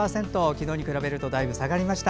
昨日に比べるとだいぶ下がりました。